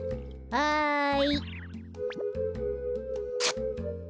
はい。